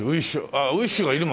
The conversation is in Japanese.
ああウイッシュがいるもんね。